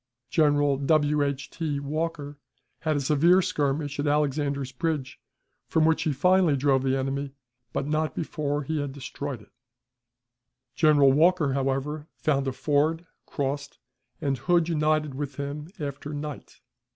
General W. H. T, Walker had a severe skirmish at Alexander's Bridge, from which he finally drove the enemy, but not before he had destroyed it; General Walker, however, found a ford, crossed, and Hood united with him after night.